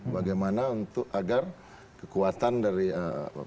bagaimana untuk agar kekuatan dari pemerintahan bahkan